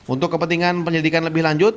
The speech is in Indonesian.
untuk kepentingan penyelidikan lebih lanjut